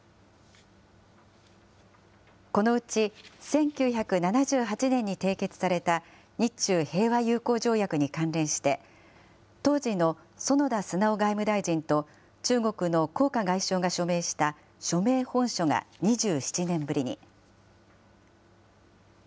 このうち、１９７８年に締結された、日中平和友好条約に関連して、当時の園田直外務大臣と、中国の黄華外相が署名した署名本書が２７年ぶりに。